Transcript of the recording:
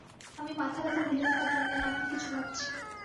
আমি মাথাব্যথা ভুলে থাকার জন্যে নানান কিছু ভাবছি।